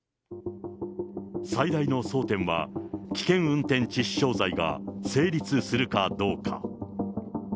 最大の争点は危険運転致死傷罪が成立するかどうか。